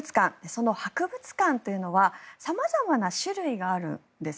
その博物館というのは様々な種類があるんです。